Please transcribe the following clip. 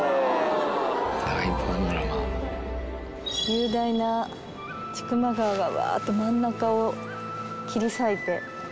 雄大な千曲川がわーっと真ん中を切り裂いて。